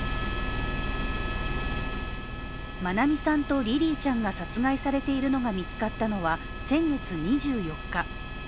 愛美さんとリリィちゃんが殺害されているのが見つかったのは、先月２４日。